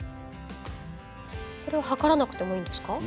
これは測らなくてもいいんですか？